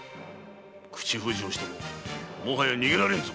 口封じをしても逃げられぬぞ！